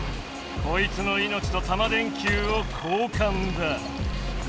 こいつのいのちとタマ電Ｑを交換だ。